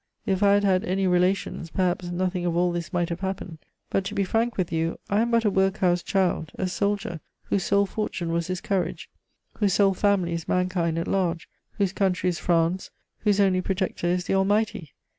If I had had any relations, perhaps nothing of all this might have happened; but, to be frank with you, I am but a workhouse child, a soldier, whose sole fortune was his courage, whose sole family is mankind at large, whose country is France, whose only protector is the Almighty.